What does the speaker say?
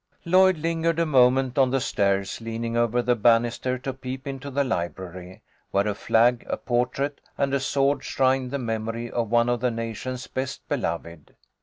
Lloyd lingered a moment on the stairs, leaning over the bannister to peep into the library, where a flag, a portrait, and a sword shrined the memory of one of the nation's best beloved.